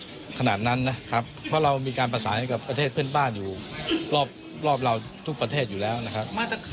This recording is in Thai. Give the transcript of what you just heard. ขนาดนั้นนะครับเพราะเรามีการประสานให้กับประเทศเพื่อนบ้านอยู่รอบเราทุกประเทศอยู่แล้วนะครับ